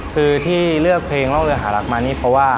คือที่เลือกเพลงร่องเรือหารักมานี่เพราะว่า